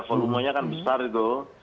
volume nya kan besar gitu